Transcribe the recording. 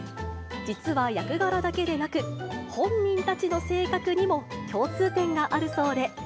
実は役柄だけでなく、本人たちの性格にも共通点があるそうで。